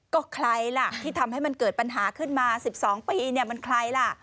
ก็ใครล่ะที่ทำให้มันเกิดปัญหาขึ้นมา๑๒ปีเนี่ยมันใครล่ะ